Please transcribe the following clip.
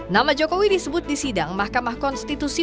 nama jokowi disebut di sidang mahkamah konstitusi